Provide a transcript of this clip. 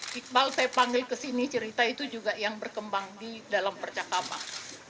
iqbal saya panggil ke sini cerita itu juga yang berkembang di dalam percakapan